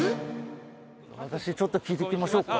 私ちょっと聞いてきましょうか？